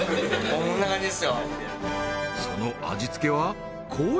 そんな感じですよ